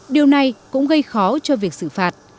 điều này cũng gây khó cho việc xử phạt